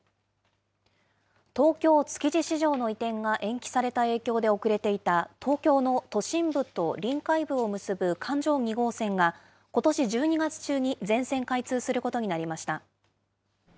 東京・築地市場の移転が延期された影響で遅れていた東京の都心部と臨海部を結ぶ環状２号線が、ことし１２月中に全線開通することになりました。